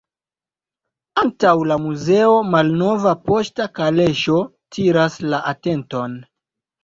Antaŭ la muzeo malnova poŝta kaleŝo tiras la atenton.